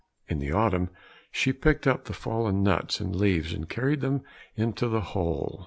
In the autumn she picked up the fallen nuts and leaves, and carried them into the hole.